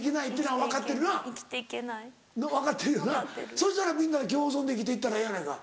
そしたらみんなで共存で生きていったらええやないか。